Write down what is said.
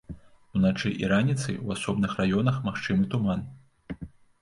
Уначы і раніцай у асобных раёнах магчымы туман.